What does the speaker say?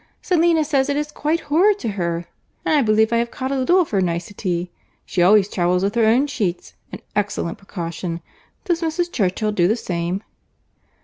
Selina says it is quite horror to her—and I believe I have caught a little of her nicety. She always travels with her own sheets; an excellent precaution. Does Mrs. Churchill do the same?"